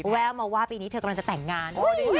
แววมาว่าปีนี้เธอกำลังจะแต่งงาน